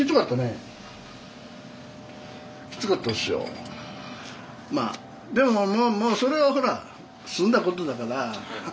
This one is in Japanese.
そういうまあでももうそれはほら済んだことだから。